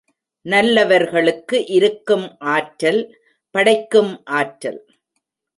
நல்லவர்களுக்கு இருக்கும் ஆற்றல், படைக்கும் ஆற்றல்.